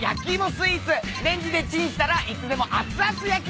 スイーツレンジでチンしたらいつでも熱々焼き芋に。